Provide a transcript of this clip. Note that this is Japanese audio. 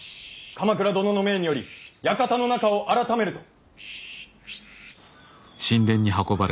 鎌倉殿の命により館の中をあらためると。